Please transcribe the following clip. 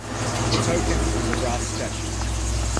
The token is a brass statue.